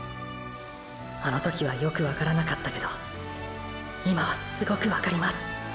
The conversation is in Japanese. あの時はよくわからなかったけど今はすごくわかります。